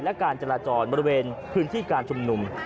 และการจราจรบริเวณพื้นที่การชุมนุม